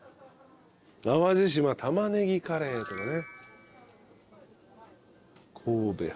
淡路島玉ねぎカレーとかね。